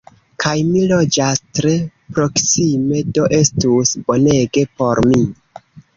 Kaj mi loĝas tre proksime! Do estus bonege por mi!